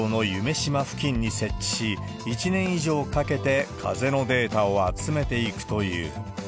洲付近に設置し、１年以上かけて風のデータを集めていくという。